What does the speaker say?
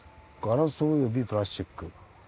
「ガラスおよびプラスチック」。